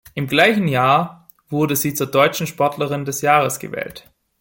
Im gleichen Jahr wurde sie zur deutschen Sportlerin des Jahres gewählt.